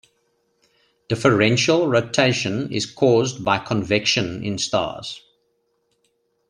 Differential rotation is caused by convection in stars.